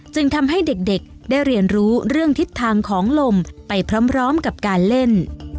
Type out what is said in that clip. ทำให้เด็กได้เรียนรู้เรื่องทิศทางของลมไปพร้อมกับการเล่น